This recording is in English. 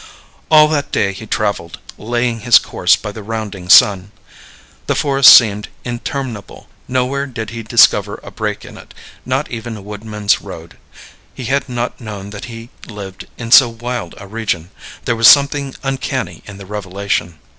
All that day he traveled, laying his course by the rounding sun. The forest seemed interminable; nowhere did he discover a break in it, not even a woodman's road. He had not known that he lived in so wild a region. There was something uncanny in the revelation.